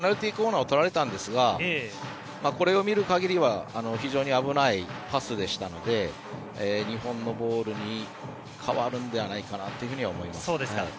ペナルティーコーナーを取られたんですがこれを見る限りは非常に危ないパスでしたので日本のボールに変わるんではないかと思います。